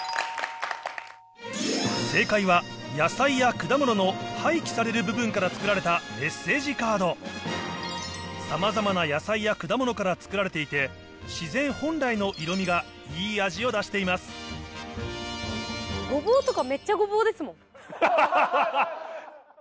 正解は野菜や果物の廃棄される部分から作られたメッセージカードさまざまな野菜や果物から作られていて自然本来の色みがいい味を出していますゴボウとか。